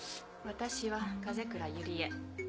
私は風倉百合恵。